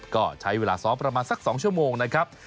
ก็ใช้เวลาซ้อมประมาณสัก๒ชั่วโมงนะครับ